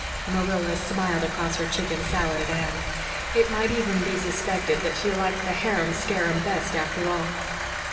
Marilla smiled across her chicken salad at Anne. It might even be suspected that she liked the harum scarum best after all.